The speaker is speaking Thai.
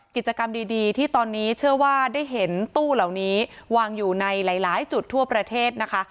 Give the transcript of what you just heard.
กิจกรรมดีที่ตอนนี้เชื่อว่าได้เห็นตู้เหล่านี้วางอยู่ในหลายจุดทั่วประเทศนะคะ